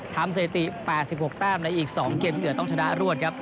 ทำเศรษฐี๘๖แต้มในอีก๒เกมที่เหนือต้องชนะรวดครับ